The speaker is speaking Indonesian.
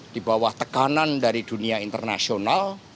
di bawah tekanan dari dunia internasional